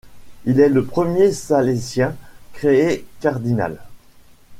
Il est le premier salésien créé cardinal.